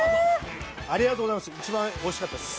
ありがとうございます。